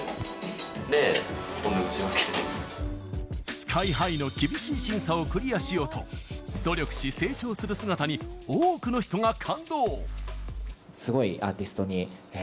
ＳＫＹ‐ＨＩの厳しい審査をクリアしようと努力し、成長する姿に多くの人が感動。